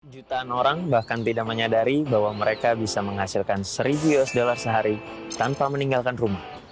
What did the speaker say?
jutaan orang bahkan tidak menyadari bahwa mereka bisa menghasilkan seribu usd sehari tanpa meninggalkan rumah